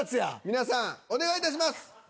皆さんお願いいたします！